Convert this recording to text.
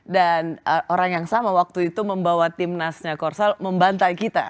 dan orang yang sama waktu itu membawa timnasnya korsel membantai kita